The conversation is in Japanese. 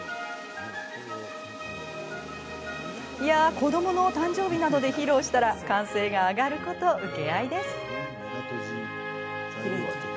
いや子どものお誕生日などで披露したら歓声が上がること請け合いです。